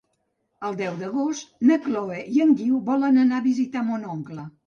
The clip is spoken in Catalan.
El deu d'agost na Chloé i en Guiu volen anar a visitar mon oncle.